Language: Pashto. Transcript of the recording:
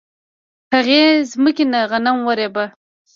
هغې ځمکې نه غنم ورېبه